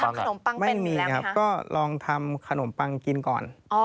ทำขนมปังเป็นมีแล้วไหมคะไม่มีครับก็ลองทำขนมปังกินก่อน